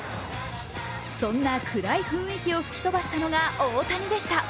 そんな暗い雰囲気を吹き飛ばしたのが大谷でした。